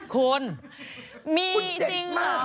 คนลุกก็เห็นหรือเปล่า